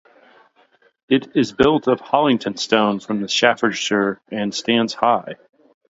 It is built of Hollington stone from Staffordshire, and stands high.